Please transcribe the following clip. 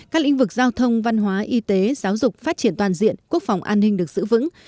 các lĩnh vực giao thông văn hóa y tế giáo dục phát triển toàn diện quốc phòng an ninh được giữ vững